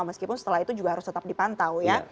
meskipun setelah itu juga harus tetap dipantau ya